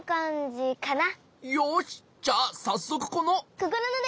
じゃあさっそくこの。